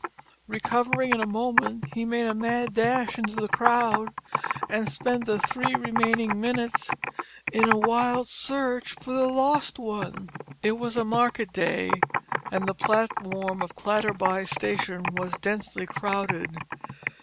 Recovering in a moment he made a dash into the crowd and spent the three remaining minutes in a wild search for the lost one! It was a market day, and the platform of Clatterby station was densely crowded.